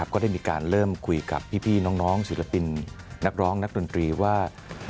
ก็ได้มีการเริ่มคุยกับพี่น้องศิลปินนักร้องนักดนตรีว่า